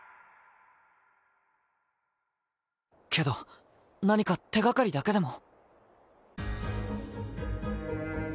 けど何か手がかりだけでも。